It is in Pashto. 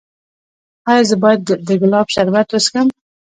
ایا زه باید د ګلاب شربت وڅښم؟